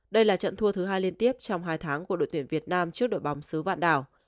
đây là trận thua thứ hai liên tiếp trong hai tháng của đội tuyển việt nam trước đội bóng xứ vạn đảo